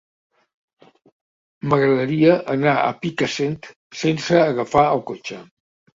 M'agradaria anar a Picassent sense agafar el cotxe.